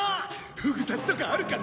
フグ刺しとかあるかな？